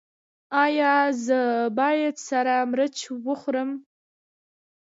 ایا زه باید سره مرچ وخورم؟